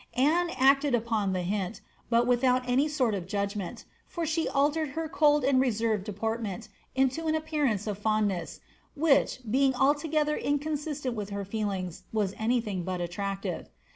' Anne acted upon the hint, uiihout 8iiy_sorl of judgment, for she altered her cold and reserved . irimeni into an appearance of fondness, which, being altogether iiL&isienI with her feelings, was any thing but attractive.